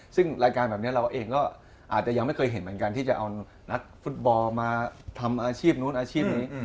ซึ่งรายการแบบนี้เราเองก็อาจจะยังไม่เคยเห็นเหมือนกันที่จะเอานักฟุตบอลมาทำอาชีพนู้นอาชีพนี้